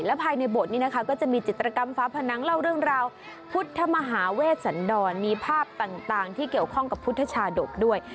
ภายในบทนี้นะคะก็จะมีจิตรกรรมฟ้าผนังเล่าเรื่องราวพุทธมหาเวชสันดรมีภาพต่างที่เกี่ยวข้องกับพุทธชาดกด้วย